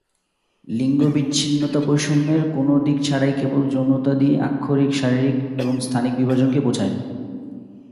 লিঙ্গ বিচ্ছিন্নতা বৈষম্যের কোন দিক ছাড়াই কেবল যৌনতা দিয়ে আক্ষরিক শারীরিক এবং স্থানিক বিভাজনকে বোঝায়।